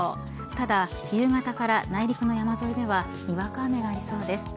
ただ夕方から内陸の山沿いではにわか雨がありそうです。